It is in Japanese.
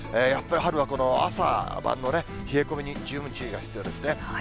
やっぱり春はこの朝晩の冷え込みに十分注意が必要ですね。